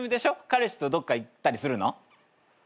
彼氏とどっか行ったりするの？